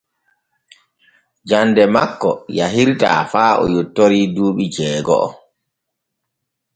Jande makko yahirtaa faa o yottori duuɓi jeego’o.